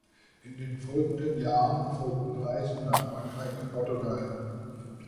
In den folgenden Jahren folgten Reisen nach Frankreich und Portugal.